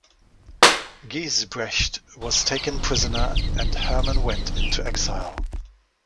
Gijsbrecht was taken prisoner, and Herman went into exile.